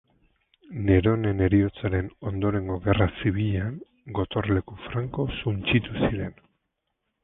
Neronen heriotzaren ondorengo gerra zibilean gotorleku franko suntsitu ziren.